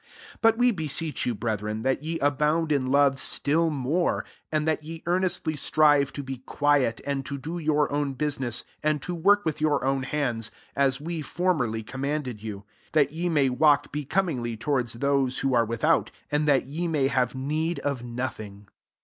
But we beseech you, brethren, that ye abound in love still more; 11 and that ye earnestly strive to be quiet, and to do your own business, and to work with your [ownj hands, as viQ formerly commanded youj 12 that ye may walk becom ingly towards those who are without, and that ye may bave need of nothing.